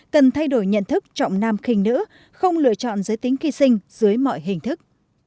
cần thay đổi nhận thức trọng nam khinh nữ không lựa chọn giới tính khi sinh dưới mọi hình thức